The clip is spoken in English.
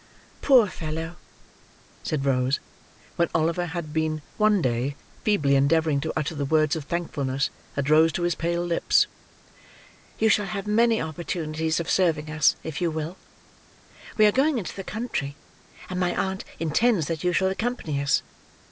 "Poor fellow!" said Rose, when Oliver had been one day feebly endeavouring to utter the words of thankfulness that rose to his pale lips; "you shall have many opportunities of serving us, if you will. We are going into the country, and my aunt intends that you shall accompany us.